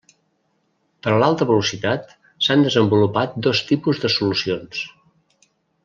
Per a l’alta velocitat s’han desenvolupat dos tipus de solucions.